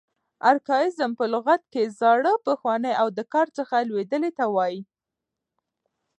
ارکاییزم په لغت کښي زاړه، پخواني او د کاره څخه لوېدلي ته وایي.